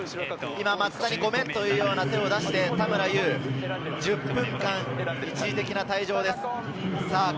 松田に「ごめん」というような手を出して田村優、１０分間、一時的な退場です。